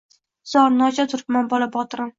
Zor, nochor turibman bola — botirim